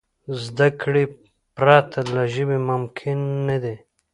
زدهکړې پرته له ژبي ممکن نه دي.